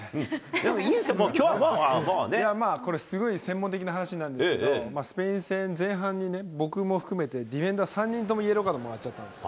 でもいいんですよ、きょうはいやまあ、これ、専門的な話なんですけど、スペイン戦前半に、僕も含めて、ディフェンダー３人ともイエローカードもらっちゃったんですよ。